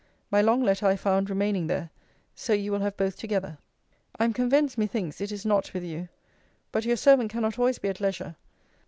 My long letter I found remaining there so you will have both together. I am convinced, methinks, it is not with you. But your servant cannot always be at leisure.